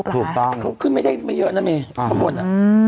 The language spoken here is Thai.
เขาขึ้นไม่ได้เยอะนะเมข้างบนอะ